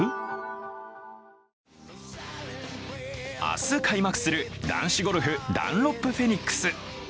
明日開幕する男子ゴルフダンロップフェニックス。